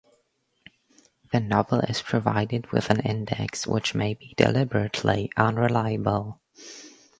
The novel is provided with an index, which may be deliberately unreliable.